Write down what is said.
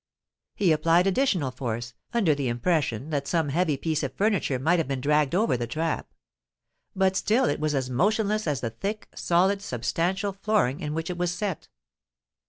He applied additional force, under the impression that some heavy piece of furniture might have been dragged over the trap: but still it was as motionless as the thick, solid, substantial flooring in which it was set.